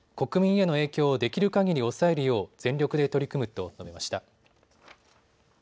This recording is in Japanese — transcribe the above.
国民への影響をできるかぎり抑えるよう全力で取り組むと述べました。